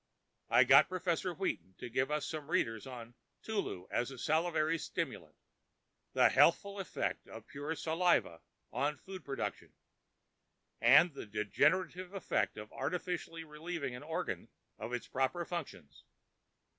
—I got Professor Wheaton to give us some readers on 'Tulu as a Salivary Stimulant,' 'The Healthful Effect of Pure Saliva on Food Products' and 'The Degenerative Effect of Artificially Relieving an Organ of its Proper Functions.'